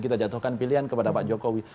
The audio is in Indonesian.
kita jatuhkan pilihan kepada pak jokowi